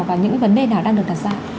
và những vấn đề nào đang được đặt ra